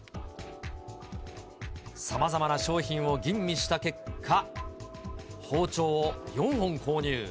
さまざまな商品を吟味した結果、包丁を４本購入。